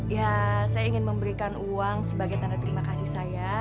ya saya ingin memberikan uang sebagai tanda terima kasih saya